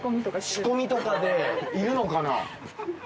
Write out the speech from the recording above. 仕込みとかでいるのかな？